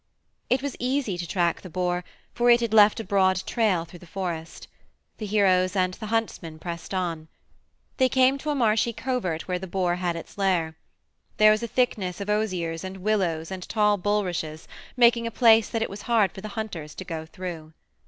It was easy to track the boar, for it had left a broad trail through the forest. The heroes and the huntsmen pressed on. They came to a marshy covert where the boar had its lair. There was a thickness of osiers and willows and tall bullrushes, making a place that it was hard for the hunters to go through.